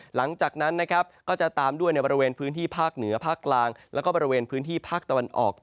หลังจากนั้นนะครับก็จะตามด้วยในบริเวณพื้นที่ภาคเหนือภาคกลางแล้วก็บริเวณพื้นที่ภาคตะวันออก